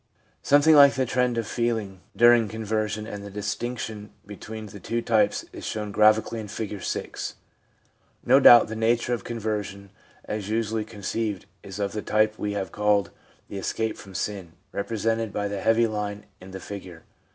Something like the trend of feelings during con version and the distinction between the two types is shown graphically in Figure 6. No doubt, the nature of conversion as usually con ceived is of the type we have called the ' escape from sin/ represented by the heavy line in the figure.